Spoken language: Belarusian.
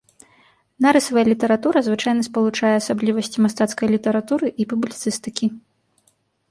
Нарысавая літаратура звычайна спалучае асаблівасці мастацкай літаратуры і публіцыстыкі.